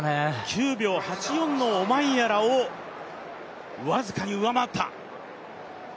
９秒８４のオマンヤラを僅かに上回った。